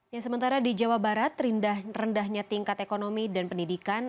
ya sementara di jawa barat rendahnya tingkat ekonomi dan pendidikan